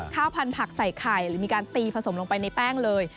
ข้าวพันธุ์ผักใส่ไข่หรือมีการตีผสมลงไปในแป้งเลย